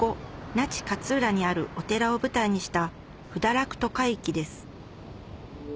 那智勝浦にあるお寺を舞台にした『補陀落渡海記』です